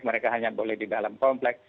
mereka hanya boleh di dalam komplek